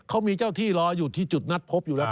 เขามีเจ้าที่รออยู่ที่จุดนัดพบอยู่แล้ว